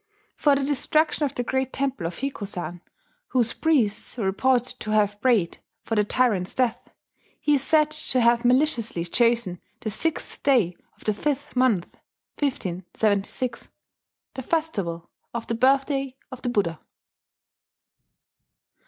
For the destruction of the great temple of Hikozan, whose priests were reported to have prayed for the tyrant's death, he is said to have maliciously chosen the sixth day of the fifth month (1576), the festival of the Birthday of the Buddha!